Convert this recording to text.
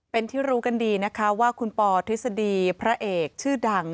เป็นที่รู้กันดีนะคะว่าคุณปอทฤษฎีพระเอกชื่อดัง